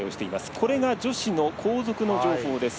これが女子の後続の情報です。